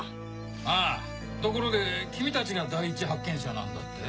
ああところで君たちが第１発見者なんだって？